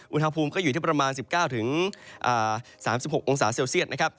อุณหภูมิก็อยู่ที่ประมาณ๑๙๓๖องศาเซลเซียตนะครับ